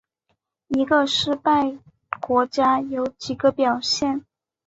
一个失败国家有几个表现。